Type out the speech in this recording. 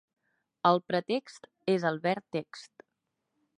El pretext és el ver text.